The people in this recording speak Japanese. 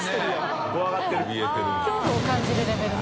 鷲見）恐怖を感じるレベルの。